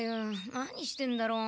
何してんだろう。